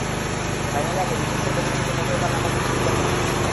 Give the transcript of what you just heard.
ফাইনালের আগে রিচার্ডসের ব্যাটিং কিন্তু মোটেও তাঁর নামের প্রতি সুবিচার করেনি।